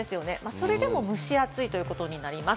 それでも蒸し暑いということになります。